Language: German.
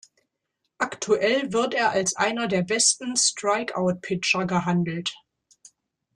Aktuell wird er als einer der besten Strikeout-Pitcher gehandelt.